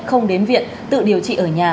không đến viện tự điều trị ở nhà